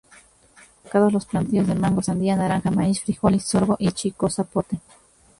Son destacados los plantíos de mango, sandía, naranja, maíz, frijol, sorgo y chicozapote.